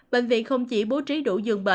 bệnh viện không chỉ bố trí đủ dưỡng